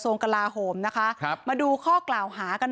นะ